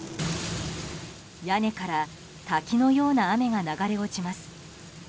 屋根から滝のような雨が流れ落ちます。